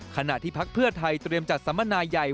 ขณะที่พักเพื่อไทยเตรียมจัดสัมมนาใหญ่